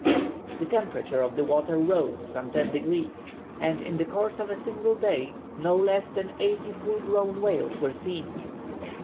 The temperature of the water rose some ten degrees, and in the course of a single day no less than eighty full grown whales were seen.